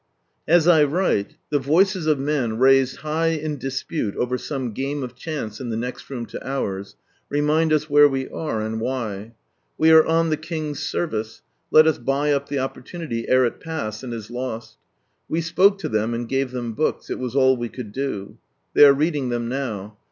As I write the voices of men, raised high in dispute over some game of chance in the next room to ours, remind us where we are, and why. We are on the King's service, let us buy up the opportunity ere it pass, and is lost, .,. We spoke to them, and gave them books, it was all we could do. They are reading them now.